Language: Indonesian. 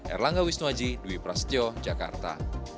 erlangga wisnuaji dwi prasetyo jakarta